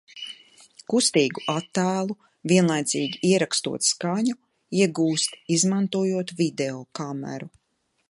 Kustīgu attēlu, vienlaicīgi ierakstot skaņu, iegūst izmantojot videokameru.